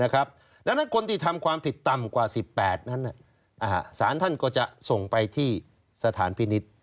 ดังนั้นคนที่ทำความผิดต่ำกว่า๑๘นั้นสารท่านก็จะส่งไปที่สถานพินิษฐ์